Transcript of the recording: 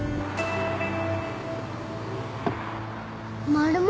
マルモ。